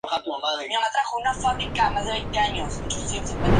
Los movimientos son hechos con el ratón en una imagen del jugador de ajedrez.